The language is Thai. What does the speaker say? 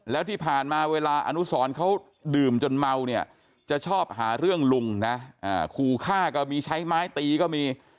แล้วที่ผ่านมาเวลาอนุสรเขาดื่มจนเมาเนี่ยจะชอบหาเรื่องลุงนะขู่ฆ่าก็มีใช้ไม้ตีก็มี